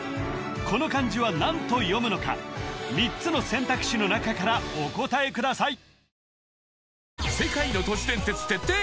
この漢字は何と読むのか３つの選択肢の中からお答えください